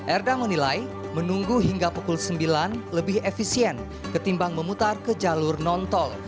erda menilai menunggu hingga pukul sembilan lebih efisien ketimbang memutar ke jalur non tol